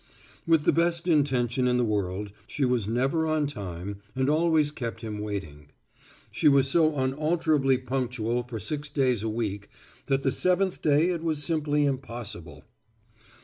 With the best intention in the world she was never on time and always kept him waiting. She was so unalterably punctual for six days a week that the seventh day it was simply impossible.